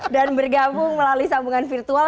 dan bergabung melalui sambungan virtual